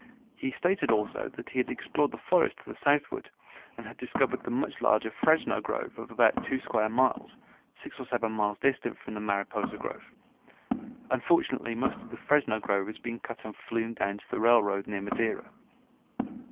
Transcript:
He stated also that he had explored the forest to the southward and had discovered the much larger Fresno grove of about two square miles, six or seven miles distant from the Mariposa grove. Unfortunately most of the Fresno grove has been cut and flumed down to the railroad near Madera.